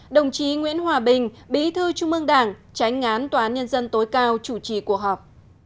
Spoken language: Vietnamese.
đồng chí nguyễn hòa bình bí thư trung ương đảng tránh ngán tòa án nhân dân tối cao chủ trì cuộc họp